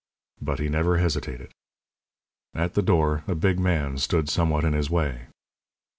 But he never hesitated. At the door a big man stood somewhat in his way.